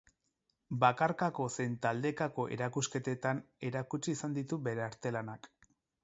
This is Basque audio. Bakarkako zein taldekako erakusketetan erakutsi izan ditu bere artelanak.